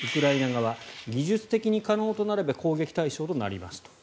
側技術的に可能となれば攻撃対象となりますと。